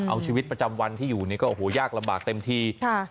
เอาชีวิตประจำวันที่อยู่เนี่ยก็โอ้โหยากลำบากเต็มที